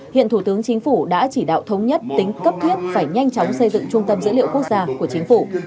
hiện thủ tướng chính phủ đã chỉ đạo thống nhất tính cấp thiết phải nhanh chóng xây dựng trung tâm dữ liệu quốc gia của chính phủ